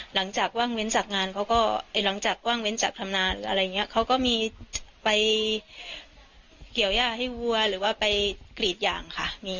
หลังจากว่างเว้นจากงานเขาก็หลังจากว่างเว้นจากทำงานอะไรอย่างนี้เขาก็มีไปเกี่ยวย่าให้วัวหรือว่าไปกรีดยางค่ะ